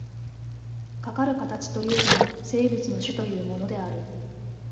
かかる形というのが、生物の種というものである。